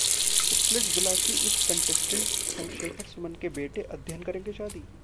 Splitsvilla की इस contestant संग शेखर सुमन के बेटे अध्ययन करेंगे शादी?